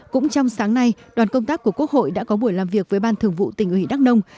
cũng trong sáng nay đoàn công tác của quốc hội đã có buổi làm việc với ban thường vụ tỉnh ủy đắk nông